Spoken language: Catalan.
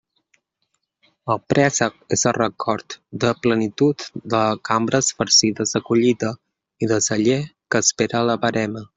El préssec és el record de plenitud de cambres farcides de collita i de celler que espera la verema.